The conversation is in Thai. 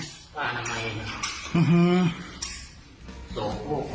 บ้านอันใน